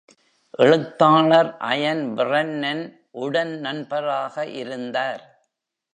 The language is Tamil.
எழுத்தாளர் Ian Brennan உடன் நண்பராக இருந்தார்.